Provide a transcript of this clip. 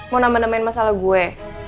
mau nama namain masalah gue